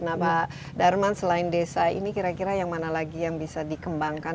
nah pak darman selain desa ini kira kira yang mana lagi yang bisa dikembangkan